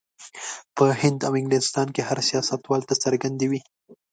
په هند او انګلستان کې هر سیاستوال ته څرګندې وې.